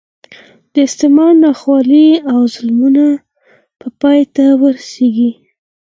د استعمار ناخوالې او ظلمونه به پای ته ورسېږي.